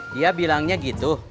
dia bilangnya gitu